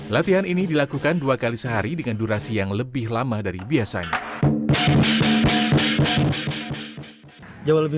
latihan ini dilakukan dua kali sehari dengan durasi yang lebih lama dari biasanya